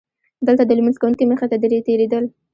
دلته د لمونځ کوونکي مخې ته تېرېدل.